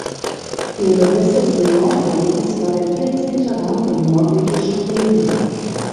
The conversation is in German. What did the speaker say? Ihr bestes Saisonergebnis war der vierzehnte Rang im norwegischen Rena.